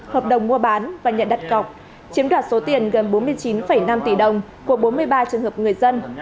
hợp đồng mua bán và nhận đặt cọc chiếm đoạt số tiền gần bốn mươi chín năm tỷ đồng của bốn mươi ba trường hợp người dân